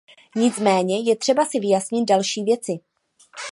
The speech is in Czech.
Nicméně je třeba si vyjasnit další věci.